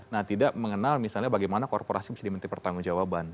nah tidak mengenal misalnya bagaimana korporasi bisa di menteri pertanggung jawaban